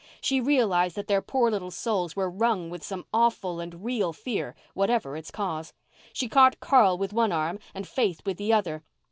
She realized that their poor little souls were wrung with some awful and real fear, whatever its cause. She caught Carl with one arm and Faith with the other.